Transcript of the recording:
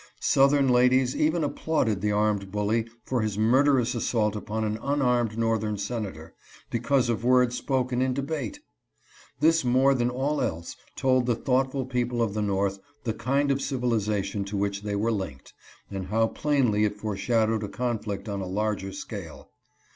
Southern ladies even ap plauded the armed bully for his murderous assault upon an unarmed northern Senator, because of words spoken in debate ! This more than all else told the thoughtful people of the North the kind of civilization to which they were linked, and how plainly it foreshadowed a conflict on a larger scale.